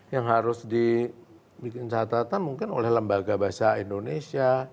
yang harus dibikin catatan mungkin oleh lembaga bahasa indonesia